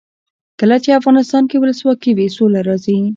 کله چې افغانستان کې ولسواکي وي سوله راځي.